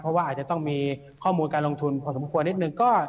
เพราะว่าอาจจะต้องมีข้อมูลการลงทุนพอสมควรนิดนึง